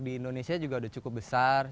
di indonesia juga sudah cukup besar